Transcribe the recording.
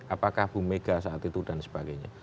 apakah bu mega saat itu dan sebagainya